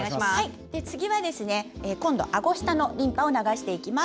次は、あご下のリンパを流していきます。